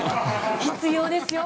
必要ですよ。